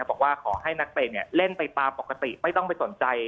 บอกว่าขอให้นักเตะเล่นไปตามปกติไม่ต้องไปสนใจ